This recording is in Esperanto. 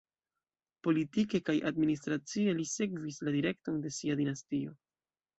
Politike kaj administracie li sekvis la direkton de sia dinastio.